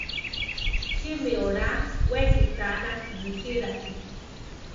Chí mi olá we sitána busílachi?